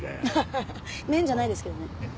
ハハハッメンじゃないですけどね。